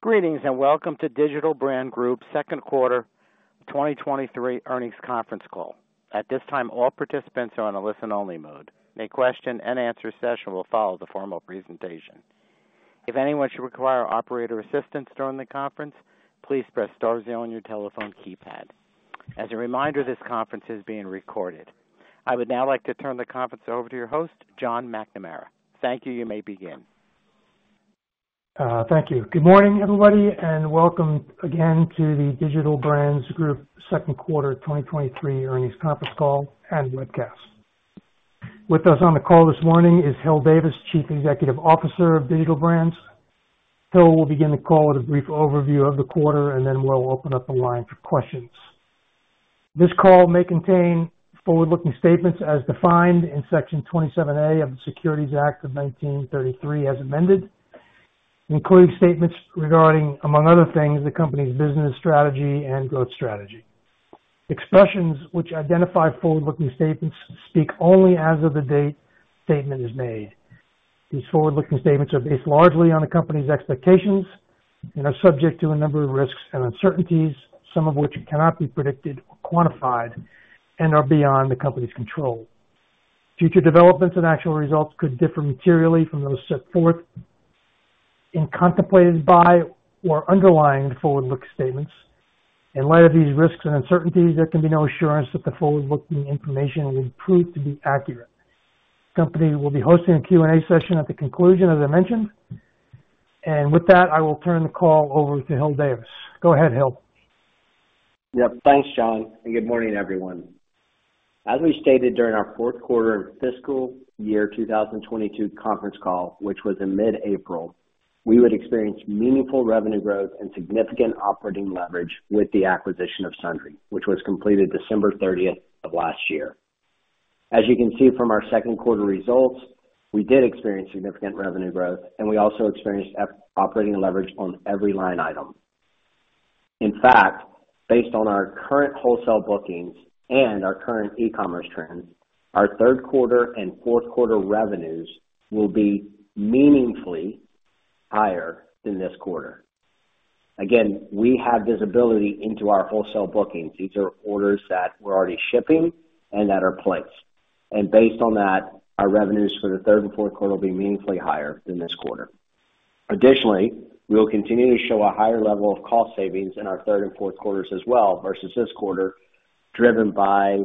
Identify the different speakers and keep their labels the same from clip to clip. Speaker 1: Greetings, welcome to Digital Brands Group's Second Quarter 2023 Earnings Conference call. At this time, all participants are on a listen-only mode. A question-and-answer session will follow the formal presentation. If anyone should require operator assistance during the conference, please press star zero on your telephone keypad. As a reminder, this conference is being recorded. I would now like to turn the conference over to your host, John McNamara. Thank you. You may begin.
Speaker 2: Thank you. Good morning, everybody, and welcome again to the Digital Brands Group second quarter 2023 earnings conference call and webcast. With us on the call this morning is Hil Davis, Chief Executive Officer of Digital Brands. Hil will begin the call with a brief overview of the quarter, and then we'll open up the line for questions. This call may contain forward-looking statements as defined in Section 27A of the Securities Act of 1933, as amended, including statements regarding, among other things, the company's business strategy and growth strategy. Expressions which identify forward-looking statements speak only as of the date statement is made. These forward-looking statements are based largely on the company's expectations and are subject to a number of risks and uncertainties, some of which cannot be predicted or quantified and are beyond the company's control. Future developments and actual results could differ materially from those set forth and contemplated by or underlying the forward-looking statements. In light of these risks and uncertainties, there can be no assurance that the forward-looking information will prove to be accurate. The company will be hosting a Q&A session at the conclusion, as I mentioned, and with that, I will turn the call over to Hil Davis. Go ahead, Hil.
Speaker 3: Thanks, John, good morning, everyone. As we stated during our fourth quarter of fiscal year 2022 conference call, which was in mid-April, we would experience meaningful revenue growth and significant operating leverage with the acquisition of Sundry, which was completed December 30 of last year. As you can see from our second quarter results, we did experience significant revenue growth, we also experienced operating leverage on every line item. In fact, based on our current wholesale bookings and our current e-commerce trends, our third quarter and fourth quarter revenues will be meaningfully higher than this quarter. We have visibility into our wholesale bookings. These are orders that we're already shipping and that are placed. Based on that, our revenues for the third and fourth quarter will be meaningfully higher than this quarter. Additionally, we will continue to show a higher level of cost savings in our third and fourth quarters as well, versus this quarter, driven by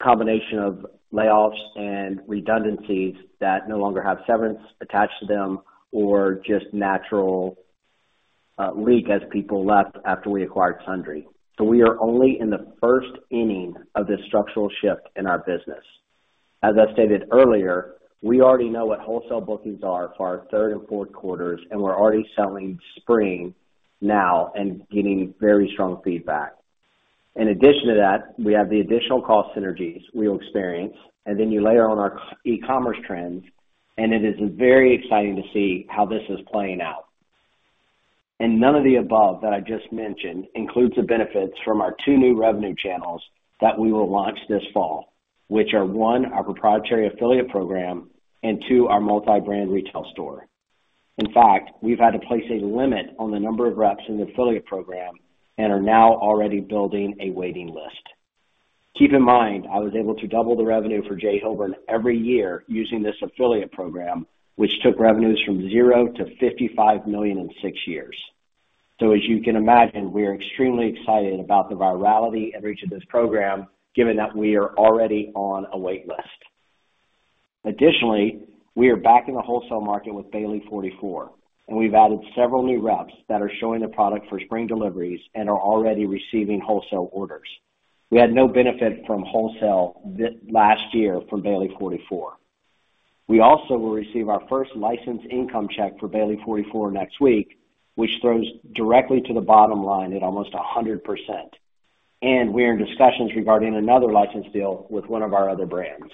Speaker 3: a combination of layoffs and redundancies that no longer have severance attached to them or just natural leak as people left after we acquired Sundry. We are only in the first inning of this structural shift in our business. As I stated earlier, we already know what wholesale bookings are for our third and fourth quarters, and we're already selling spring now and getting very strong feedback. In addition to that, we have the additional cost synergies we'll experience, and then you layer on our e-commerce trends, and it is very exciting to see how this is playing out. None of the above that I just mentioned includes the benefits from our two new revenue channels that we will launch this fall, which are, one, our proprietary affiliate program, and two, our multi-brand retail store. In fact, we've had to place a limit on the number of reps in the affiliate program and are now already building a waiting list. Keep in mind, I was able to double the revenue for J.Hilburn every year using this affiliate program, which took revenues from $0 to $55 million in six years. As you can imagine, we are extremely excited about the virality and reach of this program, given that we are already on a wait list. We are back in the wholesale market with Bailey 44, and we've added several new reps that are showing the product for spring deliveries and are already receiving wholesale orders. We had no benefit from wholesale last year from Bailey 44. We also will receive our first licensed income check for Bailey 44 next week, which throws directly to the bottom line at almost 100%. We are in discussions regarding another license deal with one of our other brands.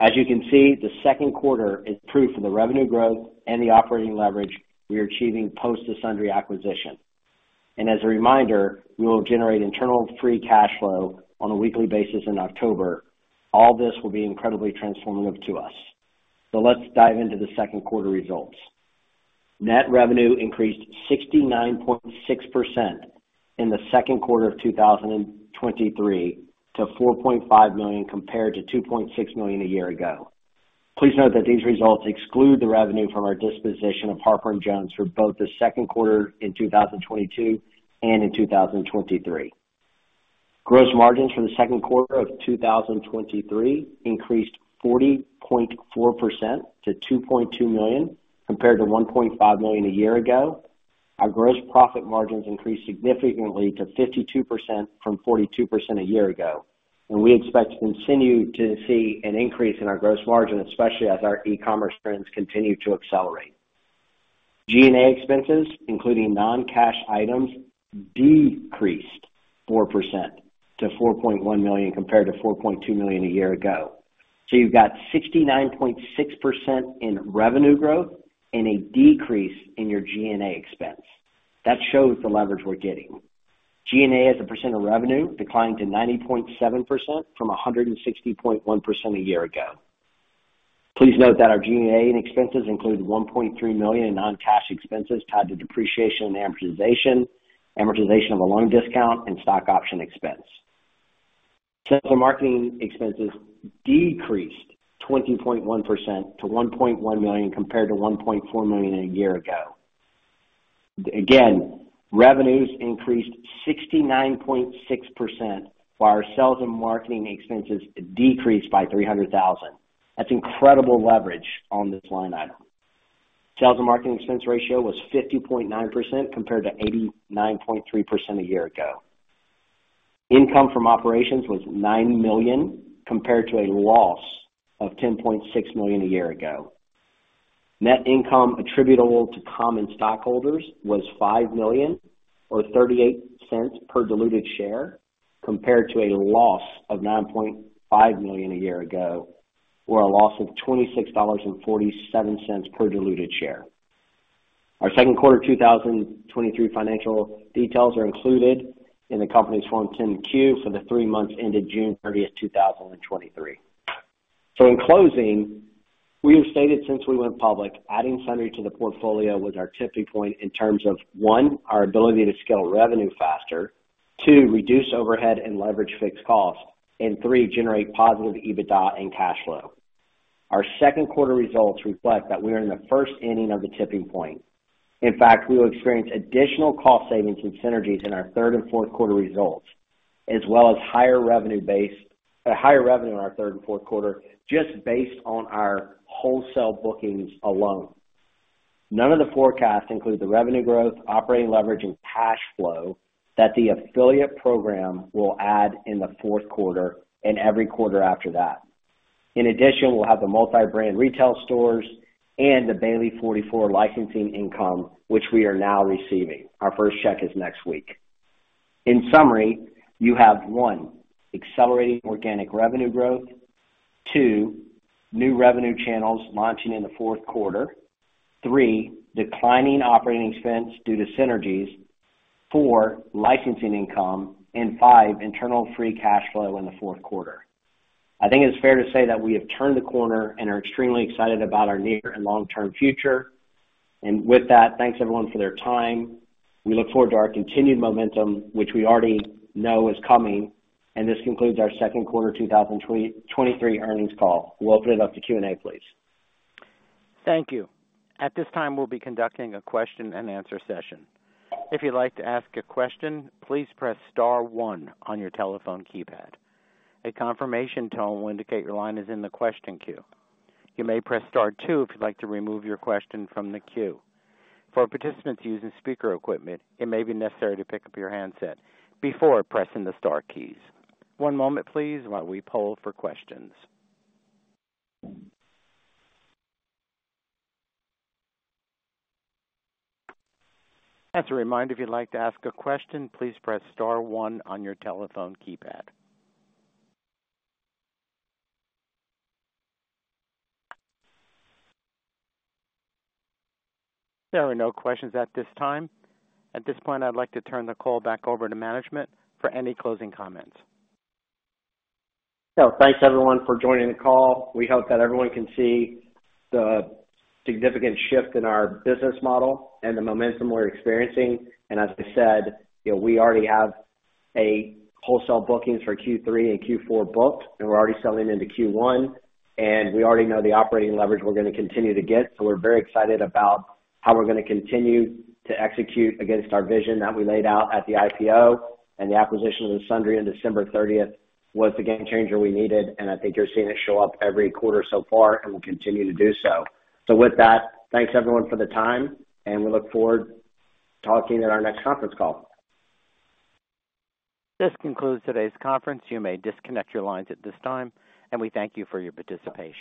Speaker 3: As you can see, the second quarter is proof of the revenue growth and the operating leverage we are achieving post the Sundry acquisition. As a reminder, we will generate internal free cash flow on a weekly basis in October. All this will be incredibly transformative to us. Let's dive into the second quarter results. Net revenue increased 69.6% in the second quarter of 2023, to $4.5 million, compared to $2.6 million a year ago. Please note that these results exclude the revenue from our disposition of Harper & Jones for both the second quarter in 2022 and in 2023. Gross margins for the second quarter of 2023 increased 40.4% to $2.2 million, compared to $1.5 million a year ago. Our gross profit margins increased significantly to 52% from 42% a year ago. We expect to continue to see an increase in our gross margin, especially as our e-commerce trends continue to accelerate. G&A expenses, including non-cash items, decreased 4% to $4.1 million, compared to $4.2 million a year ago. You've got 69.6% in revenue growth and a decrease in your G&A expense. That shows the leverage we're getting.... G&A as a percent of revenue declined to 90.7% from 160.1% a year ago. Please note that our G&A and expenses included $1.3 million in non-cash expenses tied to depreciation and amortization, amortization of a loan discount, and stock option expense. Sales and marketing expenses decreased 20.1% to $1.1 million, compared to $1.4 million a year ago. Again, revenues increased 69.6%, while our sales and marketing expenses decreased by $300,000. That's incredible leverage on this line item. Sales and marketing expense ratio was 50.9%, compared to 89.3% a year ago. Income from operations was $9 million, compared to a loss of $10.6 million a year ago. Net income attributable to common stockholders was $5 million, or $0.38 per diluted share, compared to a loss of $9.5 million a year ago, or a loss of $26.47 per diluted share. Our second quarter 2023 financial details are included in the company's Form 10-Q for the three months ended June 30, 2023. In closing, we have stated since we went public, adding Sundry to the portfolio was our tipping point in terms of, one, our ability to scale revenue faster, two, reduce overhead and leverage fixed costs, and three, generate positive EBITDA and cash flow. Our second quarter results reflect that we are in the first inning of the tipping point. In fact, we will experience additional cost savings and synergies in our third and fourth quarter results, as well as higher revenue in our third and fourth quarter, just based on our wholesale bookings alone. None of the forecasts include the revenue growth, operating leverage, and cash flow that the affiliate program will add in the fourth quarter and every quarter after that. In addition, we'll have the multi-brand retail stores and the Bailey 44 licensing income, which we are now receiving. Our first check is next week. In summary, you have, one, accelerating organic revenue growth, two, new revenue channels launching in the fourth quarter, three, declining operating expense due to synergies, four, licensing income, and five, internal free cash flow in the fourth quarter. I think it's fair to say that we have turned the corner and are extremely excited about our near and long-term future. With that, thanks everyone for their time. We look forward to our continued momentum, which we already know is coming, and this concludes our second quarter 2023 earnings call. We'll open it up to Q&A, please.
Speaker 1: Thank you. At this time, we'll be conducting a question-and-answer session. If you'd like to ask a question, please press star one on your telephone keypad. A confirmation tone will indicate your line is in the question queue. You may press star two if you'd like to remove your question from the queue. For participants using speaker equipment, it may be necessary to pick up your handset before pressing the star keys. One moment, please, while we poll for questions. As a reminder, if you'd like to ask a question, please press star one on your telephone keypad. There are no questions at this time. At this point, I'd like to turn the call back over to management for any closing comments.
Speaker 3: Thanks, everyone, for joining the call. We hope that everyone can see the significant shift in our business model and the momentum we're experiencing. As I said, you know, we already have a wholesale bookings for Q3 and Q4 booked, and we're already selling into Q1, and we already know the operating leverage we're going to continue to get. We're very excited about how we're going to continue to execute against our vision that we laid out at the IPO. The acquisition of Sundry on December 30 was the game changer we needed, and I think you're seeing it show up every quarter so far, and will continue to do so. With that, thanks, everyone, for the time, and we look forward to talking at our next conference call.
Speaker 1: This concludes today's conference. You may disconnect your lines at this time, and we thank you for your participation.